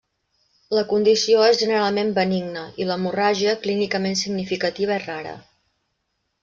La condició és generalment benigna, i l'hemorràgia clínicament significativa és rara.